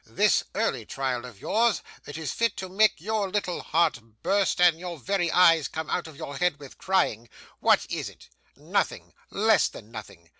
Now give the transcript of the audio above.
This early trial of yours that is fit to make your little heart burst, and your very eyes come out of your head with crying, what is it? Nothing; less than nothing.